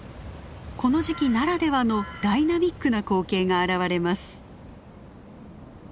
この時期ならではのダイナミックな光景が現れます。